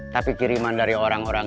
tapi kiriman dari orang